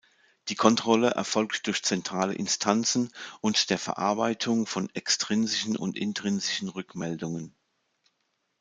Die Kontrolle erfolgt durch zentrale Instanzen und der Verarbeitung von extrinsischen und intrinsischen Rückmeldungen.